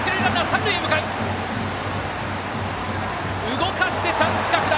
動かしてチャンス拡大。